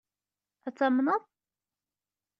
Ad tt-tamneḍ?